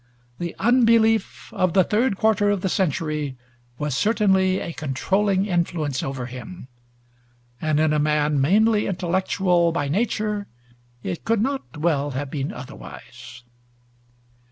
The unbelief of the third quarter of the century was certainly a controlling influence over him, and in a man mainly intellectual by nature it could not well have been otherwise.